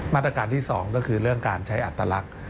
มาตรการที่๒ก็คือเรื่องการใช้อัตลักษณ์